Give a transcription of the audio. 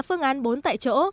phương án bốn tại chỗ